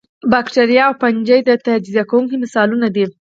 باکتریا او فنجي د تجزیه کوونکو مثالونه دي